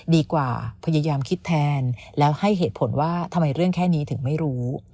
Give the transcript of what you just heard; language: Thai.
ดีกว่าพยายามคิดแทนแล้วให้เหตุผลว่าทำไมเรื่องแค่นี้ถึงไม่รู้